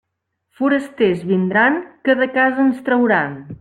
Forasters vindran que de casa ens trauran.